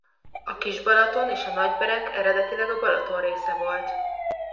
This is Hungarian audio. A Kis-Balaton és a Nagy-Berek eredetileg a Balaton része volt.